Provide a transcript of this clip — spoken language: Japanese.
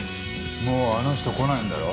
もうあの人来ないんだろ。